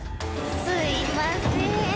すいません。